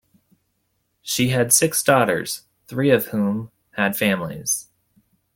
She had six daughters, three of whom had families.